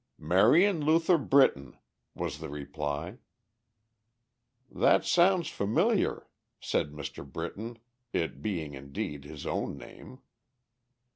"Marion Luther Brittain," was the reply. "That sounds familiar," said Mr. Brittain it being, indeed, his own name.